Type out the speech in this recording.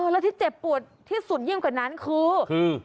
แล้วที่เจ็บปวดที่สุดยิ่งกว่านั้นคือ